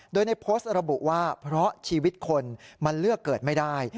โดยในโพสต์ระบุว่าเพราะชีวิตคนมันเลือกเกิดไม่ได้